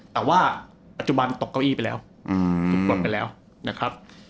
แต่ว่าปัจจุบันตกเก้าอี้ไปแล้วถูกปลดไปแล้วนะครับ